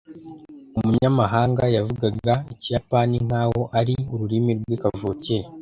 umunyamahanga yavugaga ikiyapani nkaho ari ururimi rwe kavukire